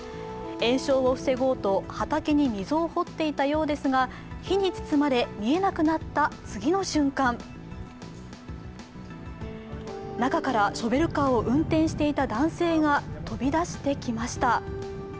延焼を防ごうと畑に溝を掘っていたようですが火に包まれ見えなくなった次の瞬間、中から、ショベルカーを運転していた男性が飛び出してきました。